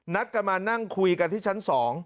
นัดกันมานั่งคุยกันที่ชั้น๒